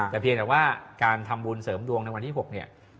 แต่เพียงแต่ว่าการทำบุญเสริมดวงในวันที่๖เนี่ย